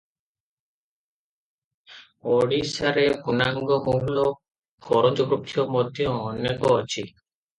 ଓଡ଼ିଶାରେ ପୁନାଙ୍ଗ, ମହୁଲ, କରଞ୍ଜବୃକ୍ଷ ମଧ୍ୟ ଅନେକ ଅଛି ।